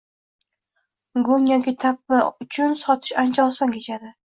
go‘ng yoki tappi uchun sotish ancha oson kechadi.